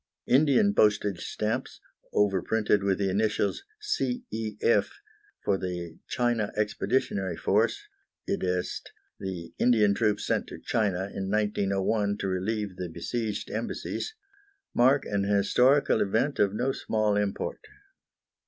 Indian postage stamps, overprinted with the initials "C.E.F.", for the China Expeditionary Force, i.e. the Indian troops sent to China in 1901 to relieve the besieged Embassies, mark an historical event of no small import.